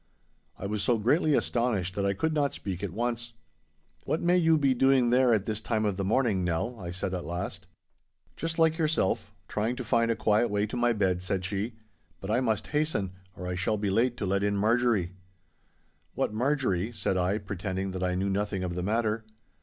I was so greatly astonished that I could not speak at once. 'What may you be doing there at this time of the morning, Nell?' I said at last. 'Just like yourself—trying to find a quiet way to my bed,' said she; 'but I must hasten, or I shall be late to let in Marjorie.' 'What Marjorie,' said I, pretending that I knew nothing of the matter.